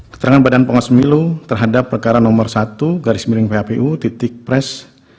keterangan badan pengawas pemilu terhadap perkara nomor satu garis miring phpu titik pres